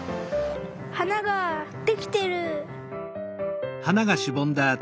はなができてる！